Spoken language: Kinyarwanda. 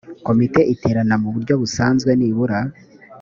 komite iterana mu buryo busanzwe nibura